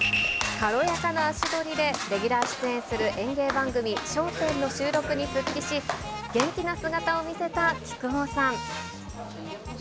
軽やかな足取りで、レギュラー出演する演芸番組、笑点の収録に復帰し、元気な姿を見せた木久扇さん。